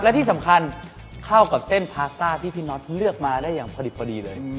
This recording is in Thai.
และที่สำคัญเข้ากับเส้นพาสต้าที่พี่น็อตเลือกมาได้อย่างพอดิบพอดีเลย